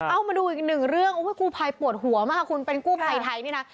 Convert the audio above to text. เอามาดูอีกหนึ่งเรื่องกู้ภัยปวดหัวมากคุณเป็นกู้ภัยไทยนี่นะ